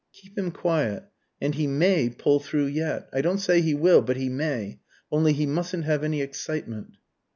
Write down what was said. "Keep him quiet, and he may pull through yet. I don't say he will, but he may. Only he mustn't have any excitement."